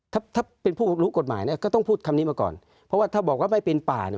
ถ้าถ้าเป็นผู้รู้กฎหมายเนี่ยก็ต้องพูดคำนี้มาก่อนเพราะว่าถ้าบอกว่าไม่เป็นป่าเนี่ย